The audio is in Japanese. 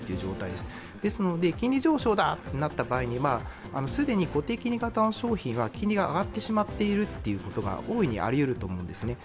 ですので金利上昇だとなった場合に、既に固定金利型の金利商品は金利が上がってしまうということが大いにありうると思うんですね。